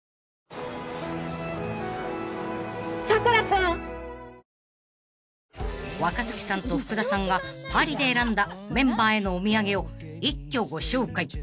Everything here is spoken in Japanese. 花王［若槻さんと福田さんがパリで選んだメンバーへのお土産を一挙ご紹介］